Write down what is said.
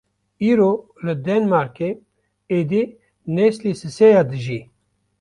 Îro li Danmarkê êdî neslî sisêya dijî!